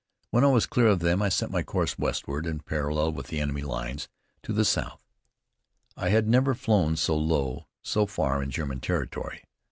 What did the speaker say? When I was clear of them, I set my course westward and parallel with the enemy lines to the south. I had never flown so low, so far in German territory.